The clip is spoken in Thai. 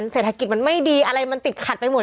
เศรษฐกิจมันไม่ดีอะไรมันติดขัดไปหมด